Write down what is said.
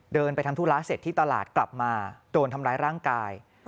ไปทำธุระเสร็จที่ตลาดกลับมาโดนทำร้ายร่างกาย